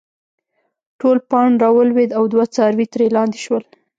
ټول پاڼ راولويد او دوه څاروي ترې لانې شول